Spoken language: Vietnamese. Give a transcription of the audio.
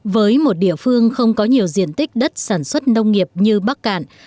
với một địa phương không có nhiều diện tích đất sản xuất nông nghiệp như bắc cạn